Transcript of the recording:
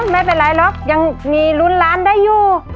ไม่เป็นไรหรอกยังมีลุ้นล้านได้อยู่